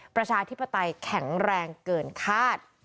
ประชาธิปไตยแข็งแรงเกินคาด